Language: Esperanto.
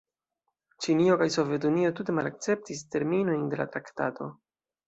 Ĉinio kaj Sovetunio tute malakceptis terminojn de la traktato.